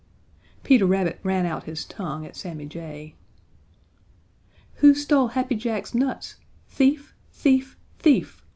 Peter Rabbit ran out his tongue at Sammy Jay. "Who stole Happy Jack's nuts? Thief! Thief! Thief!"